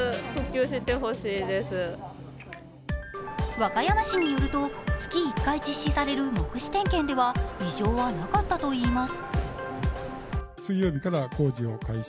和歌山市によると、月１回実施される目視点検では異常はなかったといいます。